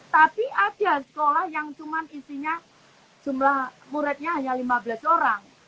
tapi ada sekolah yang cuma isinya jumlah muridnya hanya lima belas orang